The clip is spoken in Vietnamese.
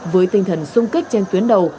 với tinh thần sung kích trên tuyến đầu